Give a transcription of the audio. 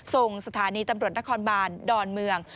ส่งสถานีตำรวจนครบานดอนเมือง